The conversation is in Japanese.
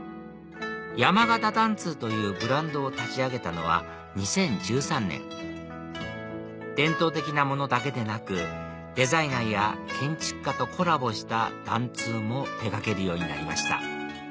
山形緞通というブランドを立ち上げたのは２０１３年伝統的なものだけでなくデザイナーや建築家とコラボした緞通も手掛けるようになりました